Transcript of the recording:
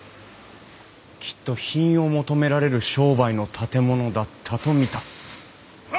きっと品を求められる商売の建物だったと見た。